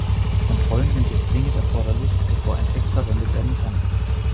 Kontrollen sind hier zwingend erforderlich, bevor ein Text verwendet werden kann.